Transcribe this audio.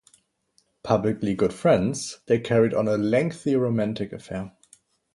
Publicly good friends, they carried on a lengthy romantic affair.